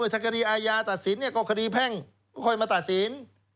ถ้าคดีอาญาตัดสินก็คดีแพ่งค่อยมาตัดสิน